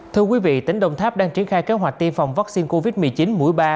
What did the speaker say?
thưa quý vị tỉnh đồng tháp đang triển khai kế hoạch tiêm phòng vaccine covid một mươi chín mũi ba